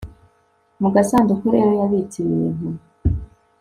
mu gasanduku rero yabitse ibintu